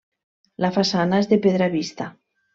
La façana és de pedra vista.